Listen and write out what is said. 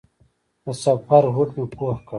د سفر هوډ مې پوخ کړ.